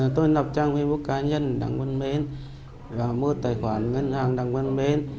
tôi lập trang facebook cá nhân đảng quân mến và mua tài khoản ngân hàng đảng quân mến